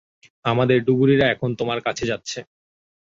আমাদের ডুবুরিরা এখন তোমার কাছে যাচ্ছে।